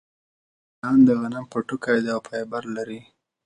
بران د غنم پوټکی دی او فایبر لري.